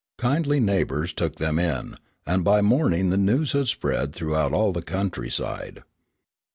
Kindly neighbors took them in, and by morning the news had spread throughout all the country side.